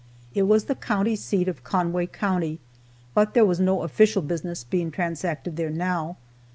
It was the county seat of Conway county, but there was no official business being transacted there now.